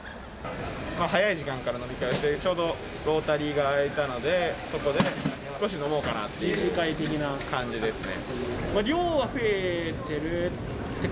早い時間から飲み会して、ちょうどロータリーが開いたので、そこで少し飲もうかなっていう。